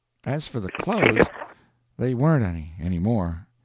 As for the clothes, they warn't any, any more.